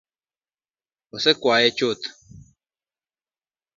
Osekwanye chuth